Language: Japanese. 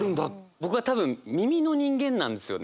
僕は多分耳の人間なんですよね。